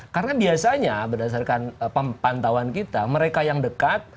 karena biasanya berdasarkan pantauan kita mereka yang dekat